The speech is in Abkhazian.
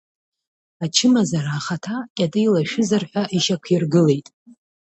Ачымазара ахаҭа кьатеилашәызар ҳәа ишьақәиргылеит.